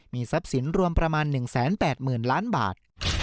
มีทรัพย์สินรวมประมาณ๑๘๐๐๐ล้านบาท